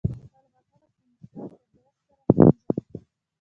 خپل غاښونه په مسواک یا برس سره مینځم.